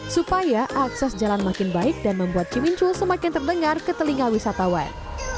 supaya akses jalan makin baik dan membuat cimincul semakin terdengar ke telinga wisatawan